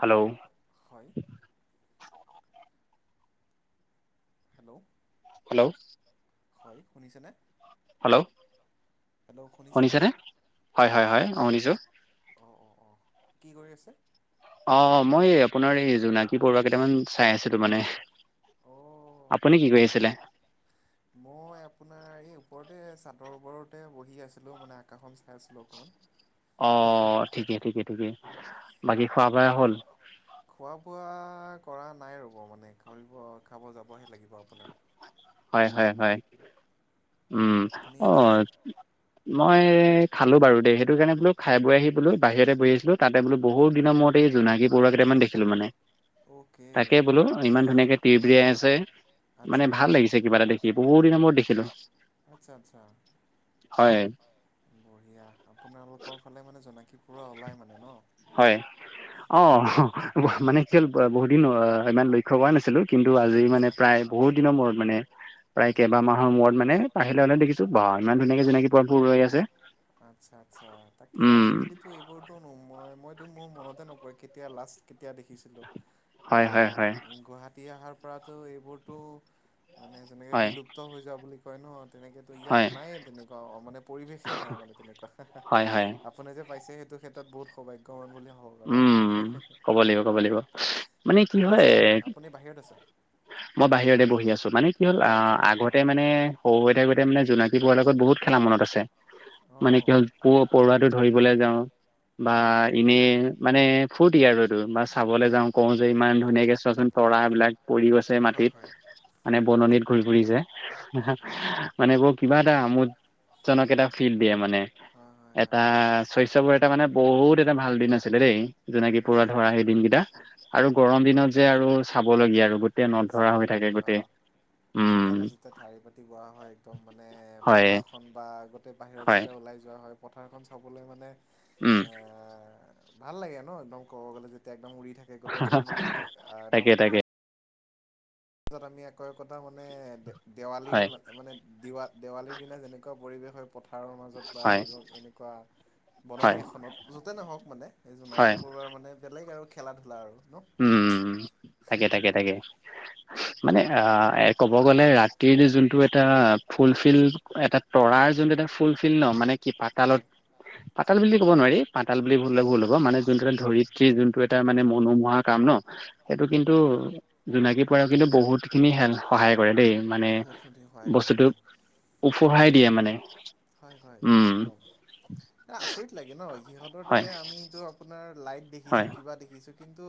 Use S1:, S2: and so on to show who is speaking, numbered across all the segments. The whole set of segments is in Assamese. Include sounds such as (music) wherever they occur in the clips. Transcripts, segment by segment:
S1: হেল্ল'?
S2: হয় হেল্ল'
S1: হেল্ল'।
S2: হয়, শুনিছেনে?
S1: হেল্ল' শুনিছেনে হয়, হয়, হয়, অ' শুনিছোঁ।
S2: অ' কি কৰি আছে?
S1: অ' মই আপোনাৰ এই জোনাকী পৰুৱা কেইটামান চাই আছিলোঁ মানে।
S2: অ'
S1: আপুনি কি
S2: আচ্ছা
S1: কৰি আছিলে?
S2: জোনাকী, মই আপোনাৰ এই ওপৰতে চাটৰ ওপৰতে বহি আছিলোঁ মানে আকাশখন চাই আছিলোঁ অকণমান।
S1: অ' ঠিকে ঠিকে ঠিকে বাকী খোৱা বোৱা হ'ল?
S2: খোৱা বোৱা কৰা নাই ৰ'ব মানে কৰিব খাব যাবহে লাগিব আপোনাৰ।
S1: হয় হয়, উম,
S2: আপুনি খালে
S1: অ'। মই খালোঁ বাৰু দেই, সেইটো কাৰণে বোলোঁ খাই বৈ আহি বোলোঁ বাহিৰতে বহি আছিলোঁ। তাতে বোলোঁ বহুত দিনৰ মূৰত এই জোনাকী পৰুৱা কেইটামান দেখিলোঁ মানে
S2: অ'কে
S1: তাকে বোলোঁ ইমান ধুনীয়াকে তিৰবিৰাই আছে, মানে
S2: আচ্ছা
S1: ভাল লাগিছে। কিব এটা দেখি বহুত দিনৰ মূৰতত দেখিলোঁ।
S2: আচ্ছা, আচ্ছা। বঢ়িয়া আপোনালোকৰ ফালে মানে জোনাকী পৰুৱা ওলাই মানে ন।
S1: হয়, অ'
S2: এই
S1: মানে খেল বহুত দিন ইমান লক্ষ্যয় কৰা নাছিলোঁ। কিন্তু, আজি মানে
S2: আচ্ছা
S1: প্ৰায় বহুত দিনৰ মূৰত মানে প্ৰায় কেইবাহ
S2: এই
S1: মাহৰ মূৰত মানে বাহিৰলে ওলাই দেখিছোঁ বা ইমান ধুনীয়াকে জোনাকী পৰুৱা বোৰ ৰৈ আছে।
S2: আচ্ছা, আচ্ছা। তাকে,
S1: উম
S2: আজিকালিতো এইবোৰতো নম মোৰ মনতে নপৰে, কেতিয়া লাষ্ট কেতিয়া দেখিছিলোঁ
S1: হয়
S2: আৰু
S1: হয় হয়
S2: গুৱাহাটী আহাৰ পৰাতো এইবোৰতো মানে যেনেকে
S1: হয়
S2: বিলুপ্ত হৈ যোৱা বুলি কয় ন। তেনেকেতো, ইয়াত
S1: হয়
S2: নায়ে তেনেকুৱা মানে পৰিৱেশে নাই মানে তেনেকুৱা সেহ
S1: হয় হয়
S2: সেহ আপোনাৰ যে পাইছে, সেইটো ক্ষেত্ৰত বহুত সৌভাগ্যৱান বুলি ভাবক আৰু আপুনি
S1: উম, ক'ব লাগিব, ক'ব লাগিব। মানে কি
S2: ক'ত
S1: হয়
S2: আছা? আপুনি বাহিৰত আছে?
S1: মই বাহিৰতে বহি আছোঁ, মানে কি হ'ল আ,
S2: অ'কে
S1: আগতে
S2: অ'
S1: মানে সৰু হৈ থাকো মানে জোনাকী পৰুৱাৰ লগত বহুত খেলা মনত আছে, মানে কি
S2: অ'
S1: হ'ল প-পৰুৱাটো ধৰিবলৈ যাওঁ। বা
S2: অ'
S1: ইনে মানে ফূৰ্তি আৰু। বা চাবলে
S2: অ'
S1: যাওঁ কওঁ যে, ইমান ধুনীয়াকে চোৱাচোন তৰাবিলাক পৰি গছে আছে
S2: হয়
S1: মাটিত,
S2: হয়
S1: মানে বননিত ঘূৰি ফুৰিছে,
S2: হয় হয় হয়
S1: মানে এইবোৰ কিবা এটা আমোদজনক এটা ফিল দিয়ে মানে
S2: হয় হয় হয়
S1: এটা শৈচবৰ এটা মানে বহুত এটা ভাল দিন আছিলে দেই। জোনাকী পৰুৱা
S2: একদম
S1: ধৰা সেই দিনকিটা আৰু
S2: একদম
S1: গৰম
S2: একদম
S1: দিনত যে, আৰু চাবলগীয়া আৰু গোটেই নধৰা হৈ থাকে
S2: চাবলগীয়া অ
S1: গোটেই উম
S2: চোতালত যেতিয়া ধাৰি পাতি লোৱা হয়, একদম মানে
S1: হয়
S2: পথাৰখন বা আগতে বাহিৰত
S1: হয়
S2: যেতিয়া ওলাই যোৱা হয়, পথাৰখন চাবলৈ মানে।
S1: উম।
S2: আ, ভাল লাগে ন' একদম ক'ব গ'লে যেতিয়া একদম উৰি থাকে গোটেইখন মানে সেই (unintelligible)
S1: তাকে তাকে
S2: একদম (unintelligible) আমি একো একোটা মানে
S1: হয়
S2: দেৱালীৰ মান-মানে দিৱা-দেৱালীৰ দিনা যেনেকুৱা পৰিৱেশ হয় পথাৰৰ মাজত বা
S1: হয়
S2: (unintelligible) এনেকুৱা
S1: হয়
S2: বননি এখনত য'তে নহওঁক মানে এই
S1: হয়
S2: জোনাকী পৰুৱাৰ মানে বেলেগ আৰু খেলা, ধূলা আৰু। ন
S1: উম, তাকে, তাকে, তাকে। মানে অ', ক'ব গ'লে ৰাতিৰ যোনটো এটা ফুলফিল এটা তৰাৰ যোনটো এটা ফুল ফিল ন' মানে কি পাতালত,
S2: হয়
S1: পাতাল বুলি ক'ব নোৱাৰি পাতাল বুলি ভুল, ভুল হ'ব মানে যোনটো এটা ধৰিত্ৰী যোনটো তাৰ মানে মনোমোহা কাম ন' সেইটো
S2: উম
S1: কিন্তু জোনাকী পৰুৱাই কিন্তু বহুতখিনি হে-সহায় কৰে দেই। মানে
S2: উম সহায় কৰে
S1: বস্তুটো
S2: হয়
S1: ওফোহাই দিয়ে মানে।
S2: হয়, হয়
S1: উম
S2: একদম। আচৰিত লাগে ন। সিহঁতৰ,
S1: হয়
S2: তাতে আমিতো আপোনাৰ লাইট
S1: হয়
S2: দেখিছোঁ, কিবা দেখিছোঁ, কিন্তু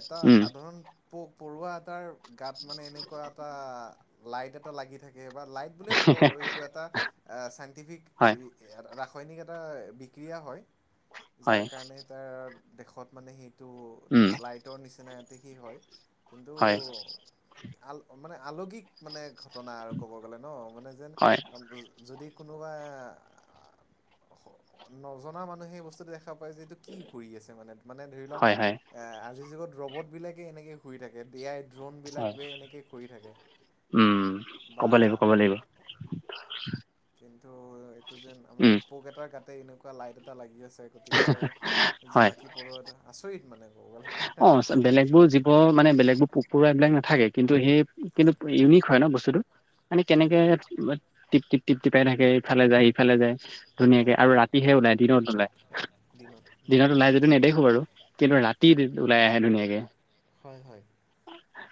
S2: এটা
S1: উম
S2: সাধাৰণ পোক পৰুৱা এটাৰ গাত মানে এনেকুৱা এটা লাইট এটা লাগি থাকে বা লাইট বুলি নকওঁ বাৰু, এইটো এটা চাইণ্টিফিক
S1: হয়
S2: ৰাসায়নিক এটা বিক্ৰিয়া হয়,
S1: হয়
S2: যাৰ কাৰণে তাৰ দেশত মানে সি টো
S1: উম
S2: লাইটৰ নিচনাতে সি হয়, কিন্তু
S1: হয়
S2: আল মানে আলৌকিক মানে ঘটনা আৰু ক'ব গ'লে ন, মানে যেন
S1: হয়
S2: যদি, কোনোবা নজনা মানুহে বস্তুটো দেখা দেখা পাই যে এইটো কি কৰি আছে মানে মানে ধৰি লওঁক
S1: হয় হয়
S2: এ আজিৰ যুগত ৰ'বাৰ্ট বিলাকে এনেকৈ শুই থাকে দি আইক। ড্ৰোনবিলাক
S1: হয়
S2: বে এনেকেই ঘুৰি থাকে
S1: উম
S2: বা
S1: ক'ব লাগিব ক'ব লাগিব
S2: কিন্তু, এইটো যেন আমাৰ
S1: উম
S2: পোক এটাৰ গাতে এনেকুৱা লাইট এটা লাগি আছে। গতিকে,
S1: হয়
S2: জোনাকী পৰুৱাটো আচৰিত মানে। ক'ব গ'লে
S1: অ' বেলেগ বোৰ জীৱ মানে বেলেগ বোৰ পোক পৰুৱা এইবিলাক নাথাকে। কিন্তু, সেই কিন্তু
S2: হয়
S1: ইউনিক হয় ন বস্তুতটো মানে
S2: হয়
S1: কেনেকে
S2: হয়
S1: টিক টিক তৃপ্তি পাই থাকে। ইফালে যায়। সিফালে যায়।
S2: হয়
S1: ধুনীয়াকে আৰু ৰাতিহে ওলাই দিনত নোলাই দিনত ওলাই যদিওঁ নেদেখোঁ বাৰু, কিন্তু ৰাতি ওলাই আহে ধুনীয়াকে।
S2: হয়, হয়।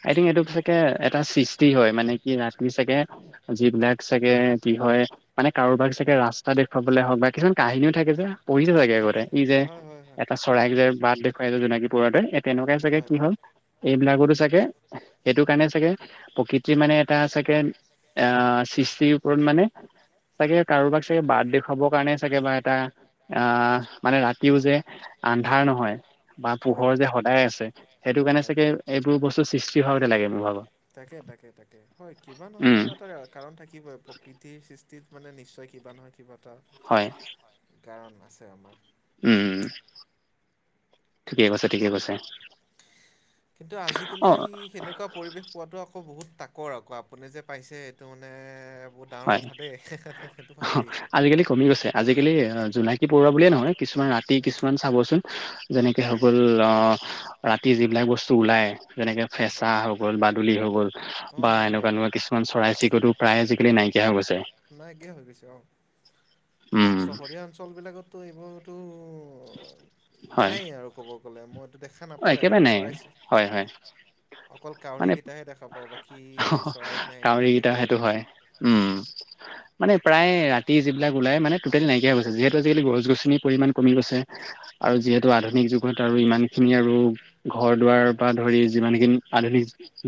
S1: আই থিংক এইটো চাগে এটা সৃষ্টি হয়, মানে কি ৰাতি চাগে যিবিলাক চাগে কি হয় মানে কাৰোবাক চাগে ৰাস্তা দেখুৱাবলৈ হওঁক বা কিছুমান কাহিনীও থাকে যে। পঢ়িছে চাগে
S2: থাকে
S1: আগতে ই
S2: থাকে
S1: যে
S2: হয় হয় হয়
S1: এটা
S2: হয়
S1: চৰাইক
S2: হয়
S1: যে বাট দেখুৱাই যে জোনাকী পৰুৱা এটাই এই তেনেকুৱাই চাগে
S2: হয়
S1: কি হ'ল এইবিলাকতো চাগে সেইটো কাৰণে চাগে প্ৰকৃতিৰ মানে এটা চাগে আহ সৃষ্টিৰ ওপৰত মানে চাগে কাৰোবাক চাগে বাট দেখুৱাবৰ কাৰণে চাগে বা এটা আহ। মানে ৰাতিও যে আন্ধাৰ নহয়। বা
S2: হয় হয়
S1: পোহৰ যে সদায় আছে, সেইটো কাৰণে
S2: হয়
S1: চাগে এইবোৰৰ বস্তু সৃষ্টি হোৱাৰ তেনেকে মোৰ ভাবোঁ।
S2: তাকে, তাকে, তাকে, হয়, কিবা নহয়, কিবা এটা কাৰণ থাকিবই প্ৰকৃতি সৃষ্টি। তিত মানে নিশ্চয় কিবা নহয় কিবা এটা
S1: হয়।
S2: কাৰণ আছে আমাৰ।
S1: উম, ঠিকে কৈছে ঠিকে কৈছে।
S2: কিন্তু আজিকালি
S1: অ
S2: সেনেকুৱা পৰিৱেশ পোৱাতটো আকৌ বহুত তাকৰ আকৌ, আপুনি যে পাইছে এইটো মানে বহুত ডাঙৰ
S1: হয়।
S2: কথা দেই সেইটো ভাল
S1: অ'হ।
S2: লাগিছে
S1: আজিকালি কমি গৈছে আজিকালি জোনাকী পৰুৱা বুলিয়ে নহয়, কিছুমান ৰাতি
S2: হয়
S1: কিছুমান চাবচোন যেনেকে হৈ গ'ল ৰাতি যিবিলাক বস্তু ওলাই যেনেকে
S2: হয়
S1: ফেঁচা হৈ গ'ল বাদুলি হ ল,
S2: অ
S1: বা
S2: হয়
S1: এনেকুৱা এনেকুৱা কিছুমান চৰাই চিৰিকতিও প্ৰায় আজিকালি নাইকিয়া হৈ গৈছে
S2: নাই কিয়া হৈ গৈছে অ'
S1: উম
S2: চহৰীয়া অঞ্চল বিলাকত তো এইবোৰতো
S1: হয়।
S2: কলে মইটো দেখা
S1: অ
S2: নাপাওঁ য়ে
S1: একেবাৰে
S2: আৰু
S1: নাই
S2: চৰাই
S1: (inaudible)
S2: অকল
S1: মানে
S2: কাউৰীকেইটাহে দেখা পাওঁ বাকী চৰাই
S1: কাউৰীকেইটা
S2: নেদেখুৱে
S1: সেইটো হয়
S2: মানে।
S1: (inaudible) মানে প্ৰায় ৰাতি যিবিলাক ওলাই মানে টোটেল নাইকিয়া হৈছে যিহেতু আজিকালি গছ গছনিৰ পৰিমাণ কমি গৈছে। আৰু
S2: হয়
S1: যিহেতু আধুনিক যুগত আৰু ইমান খিনি আৰু ঘৰ দুৱাৰ বা ধৰি যিমানখিনি আধুনিক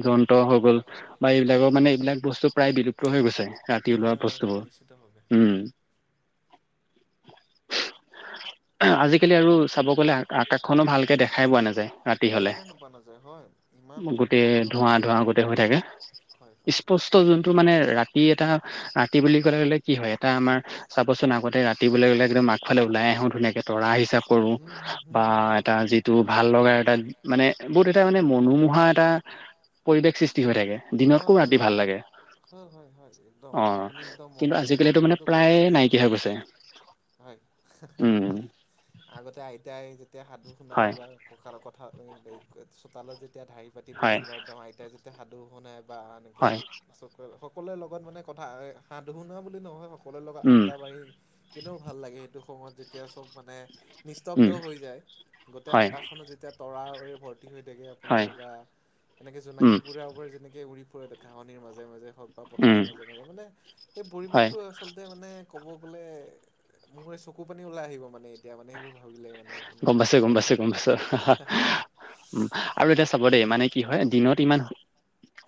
S1: যন্ত্ৰ হৈ গ'ল বা এইবিলাকৰ মানে এইবিলাক বস্তু প্ৰায় বিলুপ্ত হৈ গৈছে। ৰাতি ওলোৱা
S2: হয় হয় হয় নিশ্চিতভাৱে
S1: বস্তুবোৰ উম। আজিকালি আৰু চাব গ'লে আকাশখনো ভালকৈ দেখাই পোৱা নাযায়। ৰাতি হলে
S2: দেখাই নোপোৱা নাযায় হয় ইমান
S1: গোটেই
S2: প্ৰদূষণ
S1: ধোঁৱা
S2: আপোনাৰ
S1: ধোঁৱা গোটেই হৈ থাকে।
S2: হয় হয়
S1: স্পষ্ট যোনটো মানে ৰাতি এটা ৰাতি বুলি ক'লে কি হয় এটা আমাৰ চাবচোন আগতে ৰাতি বুলি ক'লে একদম আগফালে ওলাই আহো ধুনীয়াকে তৰা আহিছে কৰো
S2: উম হুম হুম
S1: বা
S2: হুম হুম।
S1: এটা যি ভাল লগা এটা মানে বহুত এটা মানে মনোমোহা এটা পৰিৱেশ সৃষ্টি হৈ থাকে। দিনতকো
S2: হয় হয়
S1: ৰাতি ভাল
S2: হয়
S1: লাগে।
S2: হয়, হয়, হয় একদম
S1: অ
S2: আপুনি একদম
S1: কিন্তু
S2: মোৰ মনৰ
S1: আজিকালিটো মানে
S2: কথাটো কৈ
S1: প্ৰায়
S2: দিছে।
S1: নাইকিয়া হৈ গৈছে
S2: হয়,
S1: উম
S2: আগতে আইতাই তেতিয়া সাধু শুনাই
S1: হয়
S2: বা কঁকায় কথা চোতালত যেতিয়া ঢাৰি পাতি বহি
S1: হয়
S2: লওঁ একদম আইতাই যেতি এয়া সাধু শুনাই বা এনেকে
S1: হয়
S2: চক সকলোৰে লগত মানে কথা হাঁ ধু শুনা বুলি নহয়। সকলোৰে লগত
S1: উম
S2: আদডা মাৰি কেনেও ভাল লাগে সেইটো সময়ত যেতিয়া সব মানে নিস্তব্ধ
S1: উম
S2: হৈ যায় গোটেই
S1: হয়
S2: আকাশখনত যেতিয়া তৰা হৈ থাকে আপোনাৰ
S1: হয়
S2: বা এনেকে
S1: উম
S2: জোনাকী পৰোৱা বোৰ যেনেকে উৰি ফুৰে ঘাওনিৰ মাজে মাজে। হওক বা
S1: উম
S2: পথাৰৰ মাজে মাজে মানে এই
S1: হয়
S2: পৰিৱেশটো আচলতে মানে ক'ব গ'লে মোৰ চকু পানী ওলাই আহিব মানে এতিয়া মানে এইবোৰ ভাবিলে মানে আপোনাৰ
S1: গম পাইছো গম পাইছো গম পাইছো উম আৰু এতিয়া চাব দেই মানে কি হয় দিনত ইমান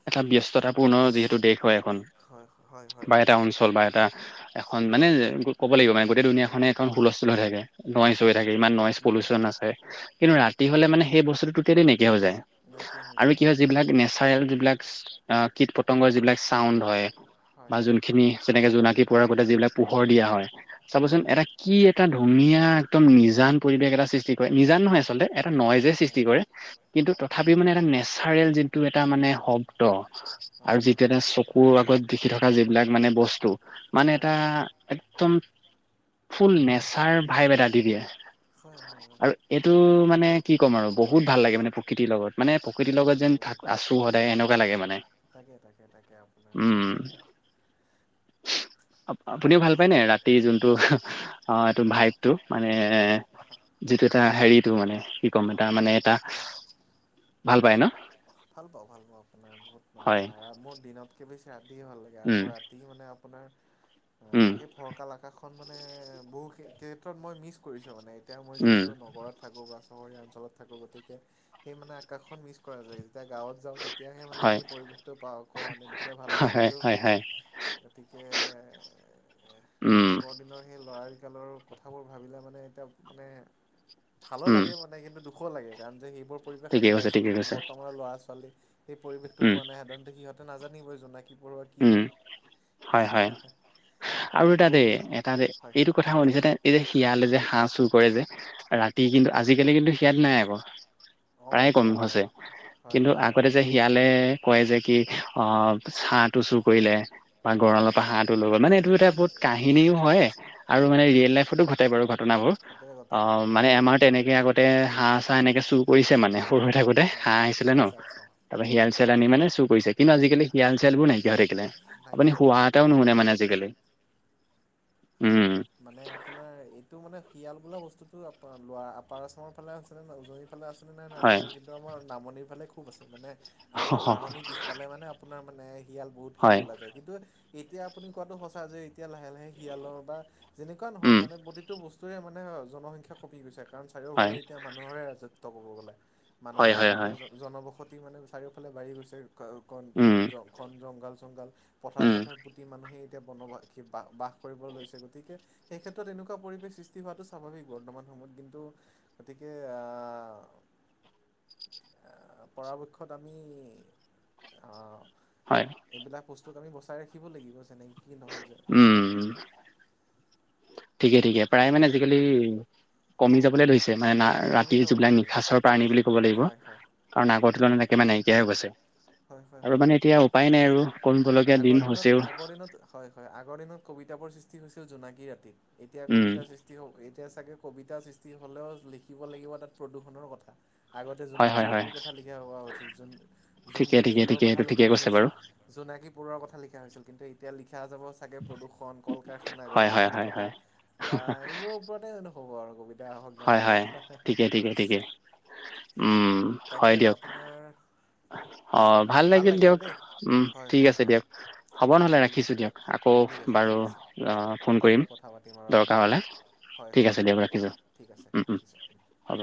S1: এটা ব্যস্ত (unintelligible) যিহেতু দেশ হয় এখন
S2: হয় হয় হয়
S1: বা এটা অঞ্চল বা এটা এখন মানে ক'ব লাগিব মানে গোই দুনীয়াখনে এখন হুলস্থুল হৈ থাকে। নইজ হৈ
S2: হয়
S1: থাকে ইমান নইজ পলিউচন আছে কিন্তু
S2: হয়
S1: ৰাতি হলে মানে সেই বস্তুটো ততেলি নাই (unintelligible) যায়
S2: নাইকিয়া হৈ
S1: আৰু
S2: যায়
S1: কি হয় যিবিলাক নেচাৰেল যিবিলাক কীট পতংগৰ যিবিলাক চাউণ্ড হয়
S2: হয়
S1: বা যোনখিনি যেনেকে জোনাকী পৰোৱা গোতে যিবিলাক পোহৰ দিয়া হয়
S2: হয়
S1: চাবচোন
S2: হয়
S1: এটা কি এটা ধুনীয়া একদম নিজান পৰিবেশ এটা সৃষ্টি কৰে নিজান নহয় আচলতে এটা নইজে
S2: হয়
S1: সৃষ্টি কৰে কিন্তু তথাপিও মানে এটা নেচাৰেল যোনটো এটা মানে শব্দ
S2: হয় হয়
S1: আৰু
S2: হয়
S1: যিটিয়া এটা চকুৰ আগত দেখি থকা যিবিলাক মানে বস্তু মানে
S2: হয়
S1: এটা একদম ফুল নেচাৰ ভাইব এটা দি দিয়ে।
S2: হয় হয় হয়
S1: আৰু এইটো মানে কি ক'ম আৰু বহুত ভাল লাগে মানে প্ৰকৃতিৰ লগত। মানে প্ৰকৃতিৰ
S2: ভাল
S1: লগত
S2: লাগে
S1: যেন
S2: ভাল লাগে
S1: আছো সদায় এনেকুৱা লাগে মানে।
S2: তাকে তাকে তাকে আপোনাৰ
S1: উম আপুনিও ভাল নায় নায় ৰাতি যোনটো অ' এইটো ভাই টো মানে যিটো এটা হেৰিটো মানে কি ক'ম এটা
S2: ভাল
S1: মানে এটা
S2: পাওঁ,
S1: ভাল পায় ন
S2: ভাল পাওঁ মানে
S1: হয়
S2: আৰামৰ দিনতকে বেছি ৰাতি ভাল লাগে
S1: উম
S2: আকৌ ৰাতি মানে আপোনাৰ
S1: উম
S2: অ' সেই ফৰকাল আকাশখন মানে বহু ক্ষেত্ৰত মই মিচ কৰিছো মানে এতিয়া মই
S1: উম
S2: যিহেতু নগৰত থাকো বা চহৰীয়া অঞ্চলত থাকো গতিকে সেই মানে আকাশখন মিছ কৰা যায়। যেতিয়া গাঁৱত যাওঁ তেতিয়াহে মানে
S1: হয়
S2: সেই পৰিৱেশটো পাওঁ কওঁ মানে তেতিয়া ভাল
S1: হয়
S2: লাগে
S1: হয়
S2: কিন্তু
S1: হয় হয়
S2: গতিকে
S1: উম
S2: আগৰ দিনৰ সেই ল'ৰা কথাবোৰ ভাবিলে মানে এতিয়া মানে ভালো
S1: উম
S2: লাগে মা নাই কিন্তু দুখো লাগে, কাৰণ যে সেইবোৰ পৰিৱেশ আমি
S1: ঠিকেই কৈছে
S2: পাইছো
S1: ঠিকেই
S2: কিন্তু
S1: কৈছে
S2: বৰ্তমানৰ ল'ৰা ছোৱালী সেই পৰিৱেশটো
S1: উম
S2: পোৱা নাই, সাধাৰণতে সিহঁতে নাজানিবই জোনাক কি পৰুৱা কি
S1: উম
S2: হয়?
S1: হয়, হয় আৰু এটা
S2: বহু
S1: দে
S2: সংখ্যক
S1: এটা দে
S2: হয়
S1: এইটো কথা শুনিছা শিয়ালে যে হাঁহ চুৰ কৰে যে ৰাতি, কিন্তু আজিকালি কিন্তু শিয়াল নাই আকৌ।
S2: অঁ
S1: প্ৰায়ে কম
S2: শিয়াল নাই
S1: হৈছে,
S2: হয়
S1: কিন্তু
S2: হয় হয়
S1: আগতে যে শিয়ালে কয় যে কি অ' হাঁহ টো চুৰ কৰিলে। বা
S2: হয়
S1: গঁৰলা পৰা
S2: হয়
S1: হাঁহটো লৈ গ'ল, মানে এইটো এটা
S2: এতিয়া
S1: বহুত কাহিনীও হয় আৰু
S2: হয়
S1: মানে ৰিয়েল লাইফতো ঘটে বাৰু ঘটনা। এই বোৰ
S2: ঘটে ঘটে
S1: অ'
S2: ঘটে
S1: মানে
S2: ঘটে
S1: আমাৰ তেনেকে আগতে হাঁহ চাহ এনেকে চুৰ কৰিছে মানে। সৰু হৈ থাকোতে
S2: হয়
S1: হাঁহ আছিলে ন,
S2: আচ্ছা আচ্ছা
S1: তাৰ পৰা শিয়াল চিয়াল আহি মানে চুৰ কৰিছে, কিন্তু আজিকালি শিয়াল চিয়াল বোৰ নাইকি কিয়া হৈ থাকিলে, আপুনি
S2: নাইকিয়া হৈ
S1: হোৱা
S2: থাকিলে
S1: এটাও
S2: অঁ
S1: নুশুনে মানে আজিকালি। উম
S2: মানে আপোনাৰ এইটো মানে শিয়াল বোলা বস্তুটো আপাৰ আচামৰ ফালে আছে, তাৰ পাছত এইফালে আছিলে নাই
S1: হয়
S2: নাজানো কিন্তু আমাৰ নামনিৰ ফালে খুব আছে। মানে আমাৰ বাহঁনিৰ পিছফালে মানে আপোনাৰ মানে শিয়াল বহুত
S1: হয়
S2: খিনি ওলা যায়, কিন্তু এতিয়া আপুনি কোৱাটো সঁচা যে এতিয়া লাহে লাহে শিয়ালৰ বা যেনেকুৱা নহওঁক
S1: উম
S2: মানে প্ৰতিটো বস্তু সেইটোৱে মানে জনসংখ্যা কমি গৈছে, কাৰণ চাৰিওফালে
S1: হয়
S2: এতিয়া মানুহৰে ৰাজত্ব ক'ব গ'লে।
S1: হয়
S2: মানুহৰ
S1: হয়
S2: মানে
S1: হয়
S2: জনবসতি মানে চাৰিওফালে বাঢ়ি গৈছে। কন
S1: উম
S2: খন জংঘল চংঘাল পথাৰ
S1: উম
S2: চথাৰ পোটি মানুহে এতিয়া বনবাসি বাস বাস কৰিবলৈ লৈছে গতিকে সেই ক্ষেত্ৰত এনেকুৱা পৰিৱেশ সৃষ্টি হোৱাটো স্বাভাৱিক বৰ্তমান সময়ত কিন্তু, গতিকে আহ
S1: (unintelligible)
S2: আহ পৰাপক্ষত আমি অহ
S1: হয়
S2: এইবিলাক বস্তুক আমি বচাই ৰাখিব লাগিব, যেনে কি নহওঁক যে
S1: উম
S2: মানে
S1: ঠিকে, ঠিকে, প্ৰায় মানে আজিকালি কমি যাবলৈ লৈছে। মানে
S2: কমি
S1: ৰাতি
S2: যাব
S1: যিবিলাক
S2: বলে ধৰিছে
S1: নিশাচৰ প্ৰাণী বুলি ক'ব লাগিব।
S2: হয় হয়
S1: কাৰণ
S2: হয়
S1: আগৰ
S2: হয়
S1: তুলনাত একেবাৰে নাইকিয়া হৈ গৈছে।
S2: হয় হয়
S1: আৰু
S2: হয়
S1: মানে এতিয়া উপায় নাই আৰু কমিব লগীয়া
S2: আগৰ
S1: দিন
S2: দিনত
S1: হৈছেও।
S2: আগৰ দিনত হয় হয় আগৰ দিনত কবিতাবোৰ সৃষ্টি হৈছিল জোনাকী ৰাতি এতিয়া
S1: উম
S2: কবিতাৰ সৃষ্টি হওকঁ। এতিয়া চাগে কবিতা সৃষ্টি হ'লেও লিখিব লাগিব, তাত প্ৰদূষণৰ কথা। আগতে
S1: হয়
S2: জোনাকী
S1: হয় হয়
S2: ৰাতিৰ কথা লিখা হোৱা হৈছিল, জোন
S1: ঠিকে ঠিকে
S2: জোনৰ
S1: ঠিকে
S2: কথা
S1: সেইটো
S2: লিখা
S1: ঠিকে কৈছে
S2: হৈছিল জোন
S1: বাৰু
S2: জোনকী পৰুৱা কথা লিখা হৈছিল। কিন্তু এতিয়া লিখা যাব চাগে প্ৰদূষণ কল-কাৰখানা
S1: হয় হয়
S2: গছ-গছনি
S1: হয়
S2: কটা
S1: হয়
S2: বা এইবোৰৰ ওপৰতে নহ'ব আৰু। গা হক গান
S1: হয়
S2: হওঁক,
S1: হয়
S2: হাহ, হাহ
S1: ঠিকে ঠিকে ঠিকে উম হয়
S2: তাকে
S1: দিয়ক
S2: আপোনাৰ
S1: অ' ভাল লাগিল
S2: লাগিলে
S1: দিয়ক।
S2: দেই
S1: উম,
S2: হয়
S1: ঠিক
S2: হয়
S1: আছে
S2: হয়
S1: দিয়ক, হ'ব নহ'লে
S2: ঠিক আছে
S1: ৰাখিছোঁ দিয়ক, আকৌ
S2: ঠিক আছে,
S1: বাৰু
S2: ঠিক আছে,
S1: অ ফোন কৰিম
S2: কেতিয়াবা কথা পাতিম আৰু
S1: দৰকাৰ
S2: আপোনাৰ
S1: হ'লে
S2: লগত। হয়
S1: ঠিক
S2: হয়
S1: আছে দিয়ক
S2: হয়
S1: ৰাখিছোঁ।
S2: ঠিক আছে
S1: উম উম
S2: ৰাখিছোঁ।
S1: হ'ব